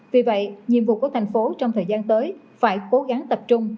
vì vậy nhiệm vụ của thành phố trong thời gian tới phải cố gắng tập trung